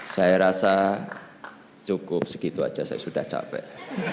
saya rasa cukup segitu saja saya sudah capek